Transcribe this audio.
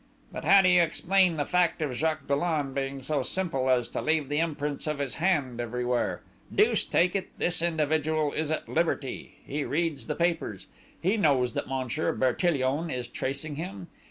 "But how do you explain the fact of Jacques Dollon being so simple as to leave the imprints of his hand everywhere?... Deuce take it, this individual is at liberty: he reads the papers.... He knows that Monsieur Bertillon is tracing him!...